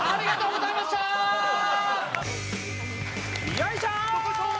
よいしょー。